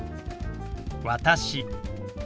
「私」。